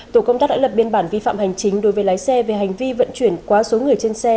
tổ công tác đã lập biên bản vi phạm hành chính đối với lái xe về hành vi vận chuyển quá số người trên xe